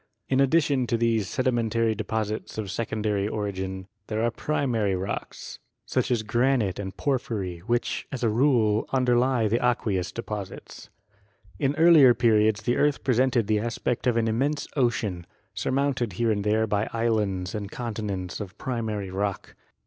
In addition to these sedimentary deposits of sec ondary origin there are primary rocks, such as granite and porphyry, which, as a rule, underlie the aqueous deposits. In earlier periods the earth presented the aspect of an immense ocean, surmounted here and there by islands and continents of primary rock.